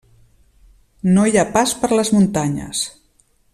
No hi ha pas per les muntanyes.